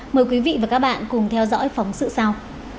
mời quý vị và các bạn cùng theo dõi phóng sự sau